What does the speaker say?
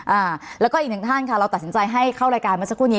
อ่าแล้วก็อีกหนึ่งท่านค่ะเราตัดสินใจให้เข้ารายการเมื่อสักครู่นี้